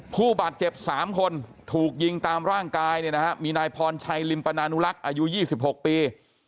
ผู้บาดเจ็บ๓คนถูกยิงตามร่างกายเนี่ยนะฮะมีนายพรชัยลิมปนานุลักษณ์อายุ๒๖ปี